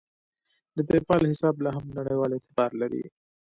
د پیپال حساب لاهم نړیوال اعتبار لري.